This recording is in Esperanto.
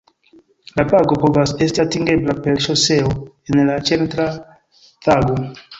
La lago povas esti atingebla per ŝoseo el Laĉen tra Thangu.